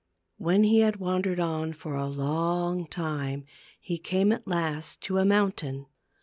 When he had wandered on for a long time he came at last to a mountain.